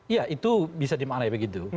ya itu bisa dimainkan begitu